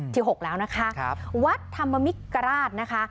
๖แล้วนะคะวัดธรรมมิกราชนะคะ